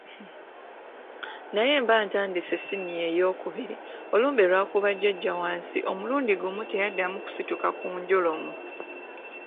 Naye mba ntandise Ssiniya eyookubiri, olumbe lwakuba jjajja wansi omulundi gumu teyaddamu kusituka ku njoloomo.